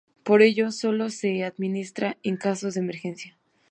Por ello solo se administra en casos de emergencia.